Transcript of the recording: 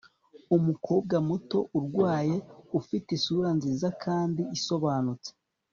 Umukobwa muto urwaye ufite isura nziza kandi isobanutse